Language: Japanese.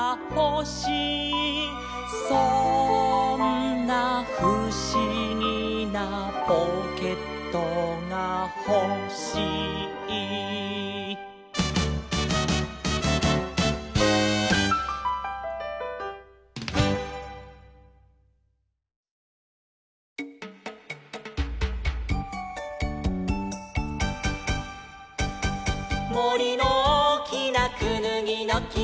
「そんなふしぎなポケットがほしい」「もりのおおきなくぬぎのきはね」